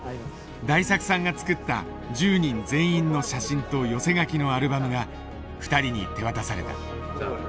大作さんが作った１０人全員の写真と寄せ書きのアルバムが２人に手渡された。